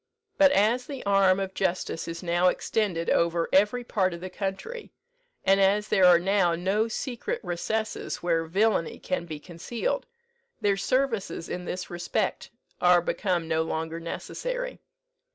But as the arm of justice is now extended over every part of the country, and as there are now no secret recesses where villany can be concealed, their services in this respect are become no longer necessary.